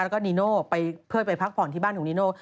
แล้วก็นีโน่ไปเพื่อไปพักผ่อนที่บ้านของนีโน่